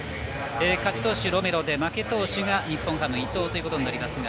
勝ち投手はロメロで負け投手は日本ハムの伊藤大海となります。